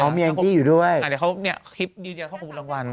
เขามีอย่างที่อยู่ด้วยเดี๋ยวเขาคลิปดีเขาขอบคุณรางวัล